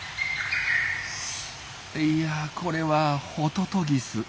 いやこれはホトトギス。